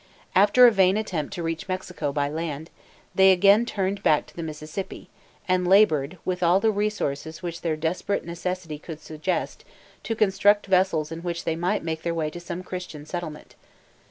After a vain attempt to reach Mexico by land, they again turned back to the Mississippi, and labored, with all the resources which their desperate necessity could suggest, to construct vessels in which they might make their way to some Christian settlement.